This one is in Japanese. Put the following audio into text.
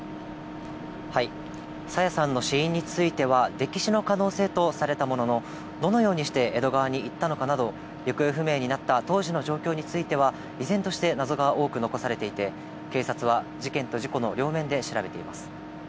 朝芽さんの死因については、溺死の可能性とされたものの、どのようにして江戸川に行ったのかなど、行方不明となった当時の状況については、依然として謎が多く残されていて、警察は事件と事故の両面で調べています。